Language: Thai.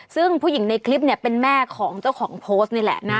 ซึ่งผู้หญิงในคลิปเนี่ยเป็นแม่ของเจ้าของโพสต์นี่แหละนะ